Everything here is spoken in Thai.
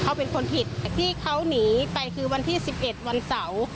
เขาเป็นคนผิดแต่ที่เขาหนีไปคือวันที่๑๑วันเสาร์